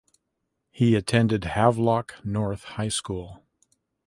He attended Havelock North High School.